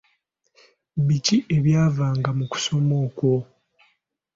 Biki ebyavanga mu kusomesa okwo?